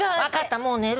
もう寝る！